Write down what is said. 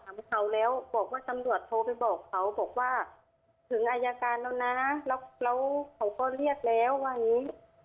เขาแล้วบอกว่าตำรวจโทรไปบอกเขาบอกว่าถึงอายการแล้วนะแล้วเขาก็เรียกแล้วว่าอย่างนี้